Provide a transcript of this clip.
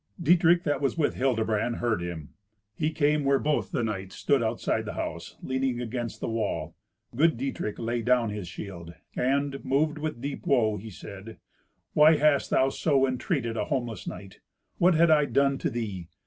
Dietrich, that was with Hildebrand, heard him. He came where both the knights stood outside the house, leaning against the wall. Good Dietrich laid down his shield, and, moved with deep woe, he said, "Why hast thou so entreated a homeless knight? What had I done to thee?